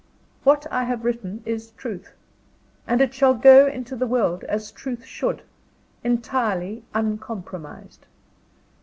What I have written is Truth; and it shall go into the world as Truth should entirely uncompromised.